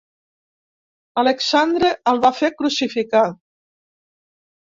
Alexandre el va fer crucificar.